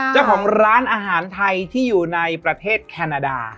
เจ้าของร้านอาหารไทยที่อยู่ในประเทศแคนาดา